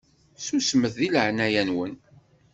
Susmet di leɛnaya-nwen!